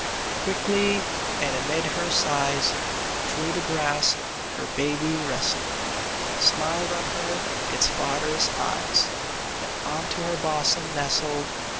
Quickly, and amid her sighs, Through the grass her baby wrestled, Smiled on her its father's eyes, And unto her bosom nestled.